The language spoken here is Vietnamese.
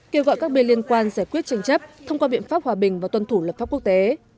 kêu gọi các bên liên quan giải quyết tranh chấp thông qua biện pháp hòa bình và tuân thủ lập pháp quốc tế